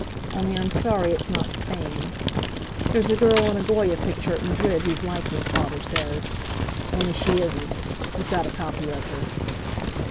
Only, I'm sorry it's not Spain; there's a girl in a Goya picture at Madrid who's like me, Father says. Only she isn't—we've got a copy of her."